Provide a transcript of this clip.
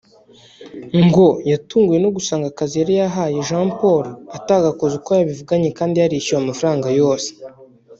ngo yatunguwe no gusanga akazi yari yahaye Jean Paul atagakoze uko babivuganye kandi yarishyuwe amafaranga yose